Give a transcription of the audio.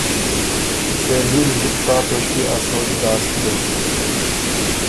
سېلي ل زُت ساعت توݭکيې ا سوچ ګاسک بُک